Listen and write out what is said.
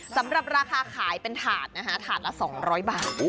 สำหรับราคาขายเป็นถาดนะคะถาดละ๒๐๐บาท